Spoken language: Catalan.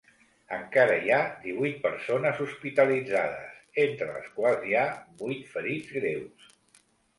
Encara hi ha divuit persones hospitalitzades, entre les quals hi ha vuit ferits greus.